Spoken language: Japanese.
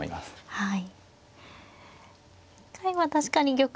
はい。